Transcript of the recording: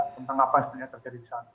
tentang apa yang sebenarnya terjadi di sana